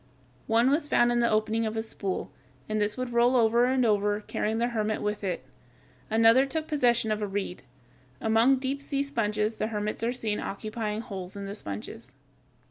One was found in the opening of a spool; and this would roll over and over, carrying the hermit with it. Another took possession of a reed. Among deep sea sponges the hermits are seen occupying holes in the sponges.